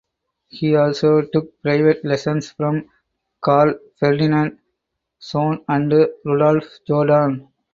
He also took private lessons from Karl Ferdinand Sohn and Rudolf Jordan.